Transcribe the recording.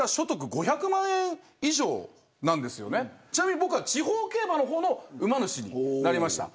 ちなみに僕は、地方競馬の方の馬主になりました。